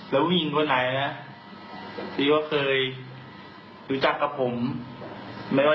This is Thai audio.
ผมจะเจอแฟนของคุณเนี่ย